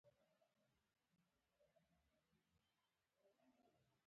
نرسې وویل: په هر صورت، هغې ویل چې تاسې بد اخلاقه یاست.